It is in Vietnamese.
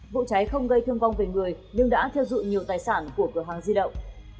vụ cháy không gây thương vong về người nhưng đã thiêu dụi nhiều tài sản của cửa hàng di động